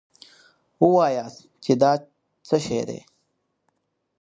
وواياست چې دا څه شی دی.